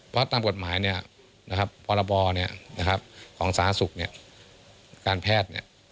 เพราะตามกฎหมายปรบของสหสุขการแพทย์